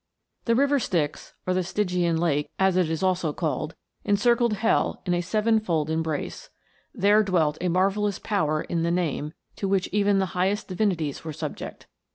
The River Styx, or the Stygian Lake, as it was also called, encircled hell in a sevenfold embrace. There dwelt a marvellous power in the name, to which even the highest divinities were subject.